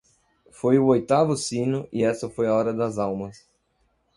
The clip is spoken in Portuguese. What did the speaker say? Foi o oitavo sino e essa foi a hora das almas.